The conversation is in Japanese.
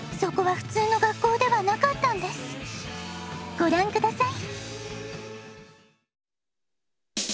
ごらんください。